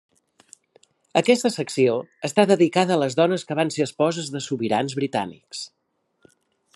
Aquesta secció està dedicada a les dones que van ser esposes de sobirans britànics.